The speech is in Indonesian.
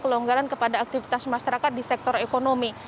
pelonggaran kepada aktivitas masyarakat di sektor ekonomi